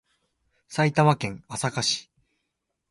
埼玉県朝霞市